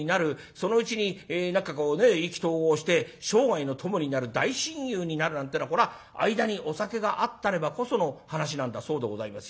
そのうちに何かこうね意気投合して生涯の友になる大親友になるなんてのはこれは間にお酒があったればこその話なんだそうでございますよ。